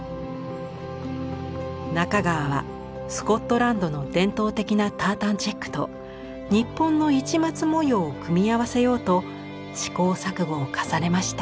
中川はスコットランドの伝統的なタータンチェックと日本の市松模様を組み合わせようと試行錯誤を重ねました。